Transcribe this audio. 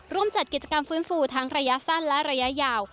ร่วมจัดกิจกรรมฟื้นฟูทั้งระยะสั้นและระยะยาว